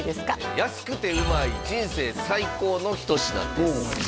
安くてうまい人生最高の一品です